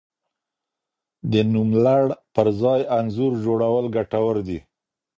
د نوملړ پر ځای انځور جوړول ګټور دي.